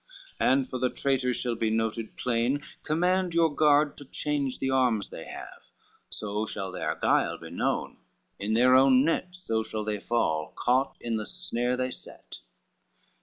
And for the traitors shall be noted plain, Command your guard to change the arms they have, So shall their guile be known, in their own net So shall they fall, caught in the snare they set."